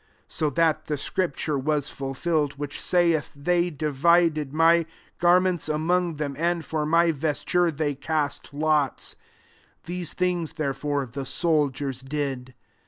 Sa that the sctipturc was fulfilled, which saith, '« They divided my garments among them, and for my vesture they cast lots." These things, there fore, the soldiers did.